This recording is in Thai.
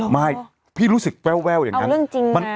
ไม่พี่รู้สึกแววอย่างนั้น